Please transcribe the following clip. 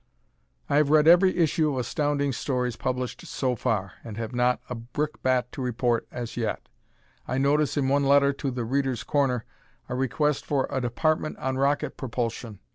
I have read every issue of Astounding Stories published so far, and have not a brickbat to report as yet. I notice in one letter to "The Readers' Corner" a request for a department on rocket propulsion.